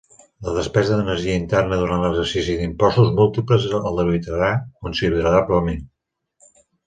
La despesa d'energia interna durant l'exercici d'impostos múltiples el debilitarà considerablement.